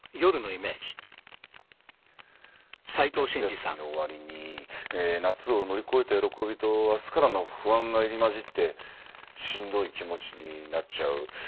夏休みの終わりに夏を乗り越えた喜びと明日からの不安が入り混じってしんどい気持ちになっちゃう。